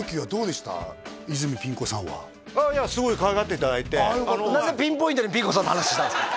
この時はいやすごいかわいがっていただいてなぜピンポイントでピン子さんの話したんですか？